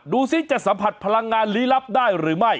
ซิจะสัมผัสพลังงานลี้ลับได้หรือไม่